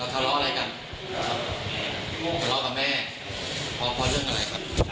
กับแม่ลองกับแม่พอเรื่องอะไร